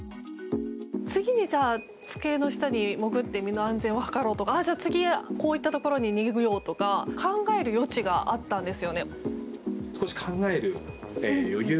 次に机の下に潜って身の安全を図ろうとか次こういったところに逃げようとか考える余地があったんです。